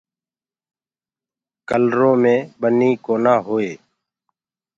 ڪلرو مي ٻنيٚ ڪونآ هوئي